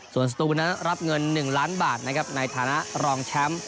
ส่วนสตูนั้นรับเงิน๑ล้านบาทนะครับในฐานะรองแชมป์